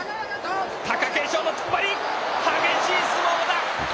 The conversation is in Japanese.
貴景勝の突っ張り、激しい相撲だ。